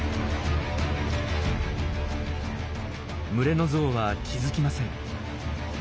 群れのゾウは気付きません。